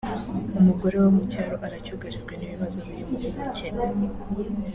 umugore wo mu cyaro aracyugarijwe n’ibibazo birimo ubukene